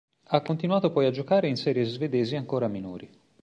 Ha continuato poi a giocare in serie svedesi ancora minori.